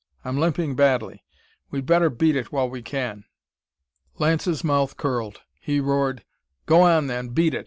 I'm limping badly. We'd better beat it while we can." Lance's mouth curled. He roared: "Go on, then, beat it!